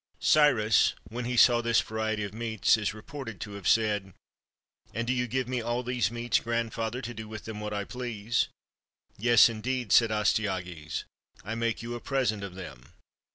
Cyrus, when he saw this variety of meats, is reported to have said :— "And do you give me all these meats, grandfather, to do with them what I please? " "Yes, indeed," said Astyages; "I make you a present of them."